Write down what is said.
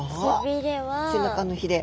背中のひれ。